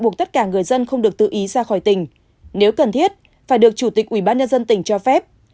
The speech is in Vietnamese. buộc tất cả người dân không được tự ý ra khỏi tỉnh nếu cần thiết phải được chủ tịch ubnd tỉnh cho phép